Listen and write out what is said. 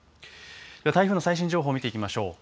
台風の最新情報を見ていきましょう。